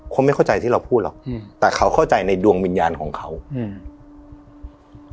เขาไม่เข้าใจที่เราพูดหรอกอืมแต่เขาเข้าใจในดวงวิญญาณของเขาอืม